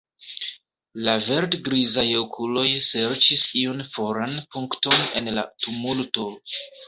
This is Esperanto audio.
La verd-grizaj okuloj serĉis iun foran punkton en la tumulto.